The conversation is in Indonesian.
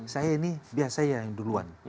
saya ini biasa yang duluan